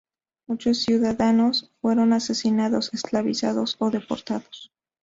Muchos ciudadanos fueron asesinados, esclavizados o deportados.